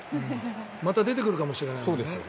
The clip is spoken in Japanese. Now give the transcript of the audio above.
また出てくるかもしれないからね。